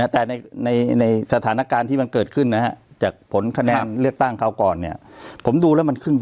แต่ในสถานการณ์ที่มันเกิดขึ้นนะฮะจากผลคะแนนเลือกตั้งคราวก่อนเนี่ยผมดูแล้วมันครึ่ง